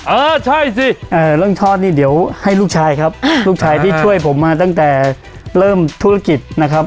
เออใช่สิเรื่องทอดนี่เดี๋ยวให้ลูกชายครับลูกชายที่ช่วยผมมาตั้งแต่เริ่มธุรกิจนะครับ